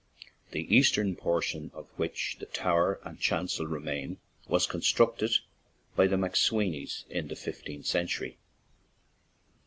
The eastern portion, of which the tower and chancel remain, was con structed by the McSweenys in the fifteenth century.